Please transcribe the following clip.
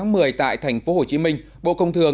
ngày một tháng một mươi tại tp hcm